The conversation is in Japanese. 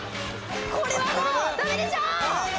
これはもう駄目でしょう。